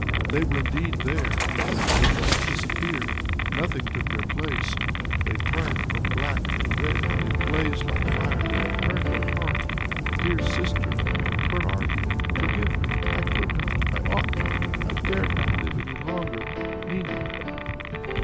They were indeed there; they did not disappear! Nothing took their place. They turned from black to red; they blazed like fire; they burned her heart! "DEAR SISTER, "Where are you? Forgive me! I could not, I ought not, I dared not live any longer. "NINA."